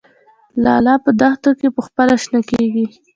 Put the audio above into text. لاله په دښتو کې پخپله شنه کیږي